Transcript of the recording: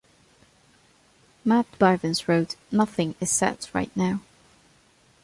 Matt Bivins wrote, Nothing is set right now.